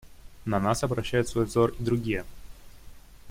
На нас обращают свой взор и другие.